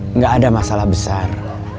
enggak ada masalah besar